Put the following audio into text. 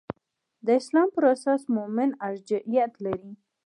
د اسلام پر اساس مومن ارجحیت لري.